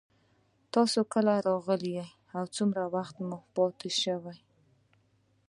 تاسو کله راغلئ او څومره وخت پاتې شوئ